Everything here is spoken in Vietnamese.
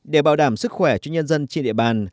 để bảo đảm sức khỏe cho nhân dân trên địa bàn